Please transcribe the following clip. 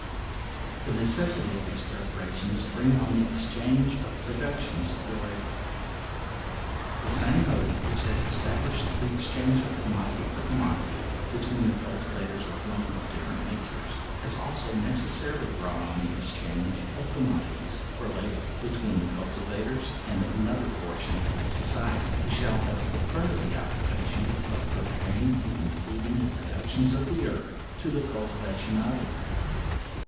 The necessity of these preparations, bring on the exchange of productions for labour. The same motive which has established the exchange of commodity for commodity, between the cultivators of lands of different natures, has also necessarily brought on the exchange of commodities for labour, between the cultivators and another portion of society, who shall have preferred the occupation of preparing and completing the productions of the earth, to the cultivation of it.